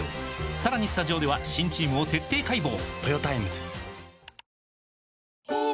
さらにスタジオでは新チームを徹底解剖！